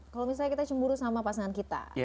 kalau misalnya kita cemburu sama pasangan kita